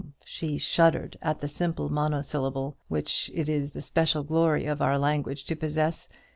she shuddered at the simple monosyllable which it is the special glory of our language to possess.